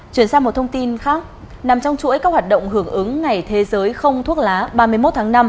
chuyển sang một thông tin khác nằm trong chuỗi các hoạt động hưởng ứng ngày thế giới không thuốc lá ba mươi một tháng năm